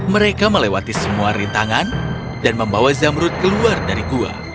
mereka melewati semua rintangan dan membawa zamrut keluar dari gua